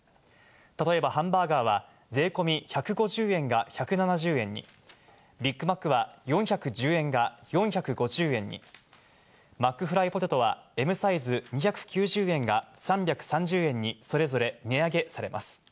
例えばハンバーガーは税込み１５０円が１７０円に、ビッグマックは４１０円が４５０円に、マックフライポテトはＭサイズ２９０円が３３０円にそれぞれ値上げされます。